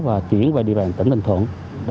và chuyển về địa bàn tỉnh tân thuận